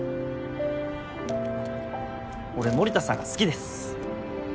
俺森田さんが好きです。